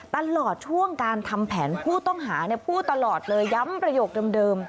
ตลอดช่วงการทำแผนผู้ต้องหาพูดตลอดเลยย้ำประโยคเดิม